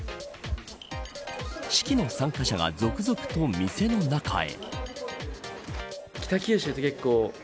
式の参加者は続々と店の中へ。